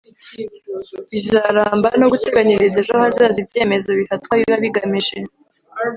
bizaramba no guteganyiriza ejo hazaza ibyemezo bifatwa biba bigamije